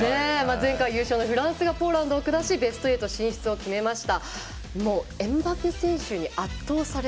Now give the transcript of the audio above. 前回優勝のフランスがポーランドを下しベスト８選出を決めました。